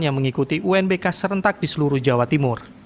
yang mengikuti unbk serentak di seluruh jawa timur